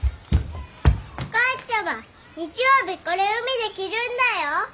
お母ちゃま日曜日これ海で着るんだよ！